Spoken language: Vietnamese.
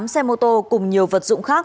hai mươi tám xe mô tô cùng nhiều vật dụng khác